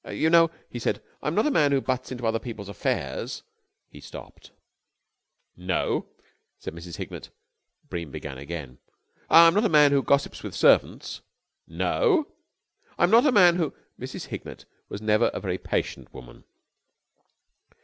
"You know," he said, "I'm not a man who butts into other people's affairs." ... He stopped. "No?" said Mrs. Hignett. Bream began again. "I'm not a man who gossips with servants." "No?" "I'm not a man who...." Mrs. Hignett was never a very patient woman.